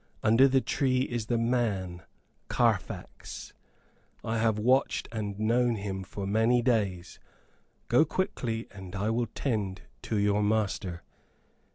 Under the tree is the man Carfax[A] I have watched and known him for many days. Go quickly, and I will tend your master.